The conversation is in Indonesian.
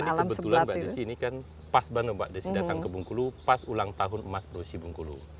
jadi kita ini kebetulan mbak desi ini kan pas banget mbak desi datang ke bungkulu pas ulang tahun emas produksi bungkulu